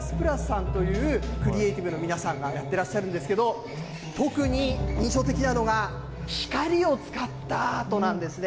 今はね、ＭＰＬＵＳＰＬＵＳさんというクリエイティブの皆さんがやってらっしゃるんですけど、特に印象的なのが、光を使ったアートなんですね。